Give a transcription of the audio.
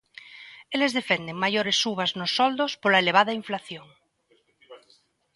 Eles defenden maiores subas nos soldos pola elevada inflación.